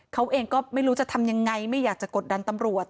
เขาเองก็ไม่รู้จะทำยังไงไม่อยากจะกดดันตำรวจ